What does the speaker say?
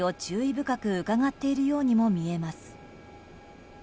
深くうかがっているようにも見えます。